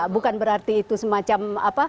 bukan berarti itu semacam